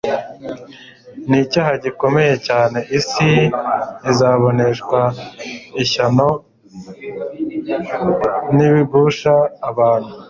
ni icyaha gikomeye cyane. « Isi izaboneshwa ishyano n'ibigusha abantu !